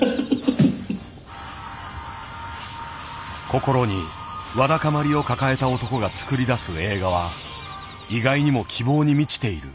心にわだかまりを抱えた男が作り出す映画は意外にも希望に満ちている。